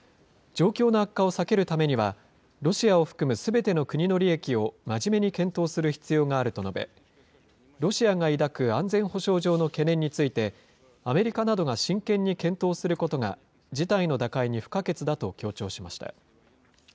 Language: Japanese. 状況の悪化を避けるためには、ロシアを含むすべての国の利益を真面目に検討する必要があると述べ、ロシアが抱く安全保障上の懸念について、アメリカなどが真剣に検討することが、事態の打開に不可欠だと強調しました。